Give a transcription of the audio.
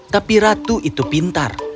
tapi ratu itu pintar